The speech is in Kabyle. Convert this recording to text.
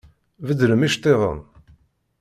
Beddlem iceṭṭiḍen!